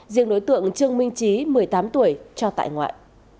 riêng đối tượng trương minh trí một mươi tám tuổi cho tại ngoại